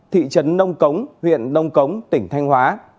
thị trấn nông cống huyện đông cống tỉnh thanh hóa